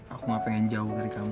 aku gak pengen jauh dari kamu